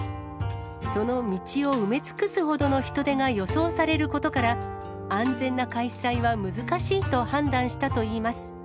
その道を埋め尽くすほどの人出が予想されることから、安全な開催は難しいと判断したといいます。